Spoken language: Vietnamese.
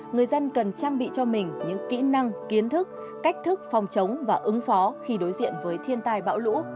người dân cần trang bị cho mình những kỹ năng kiến thức cách thức phòng chống và ứng phó khi đối diện với thiên tai bão lũ